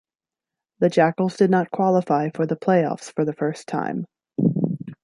The Jackals did not qualify for the playoffs for the first time.